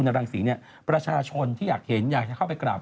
ต้องไปไหมหมูนายไปไหม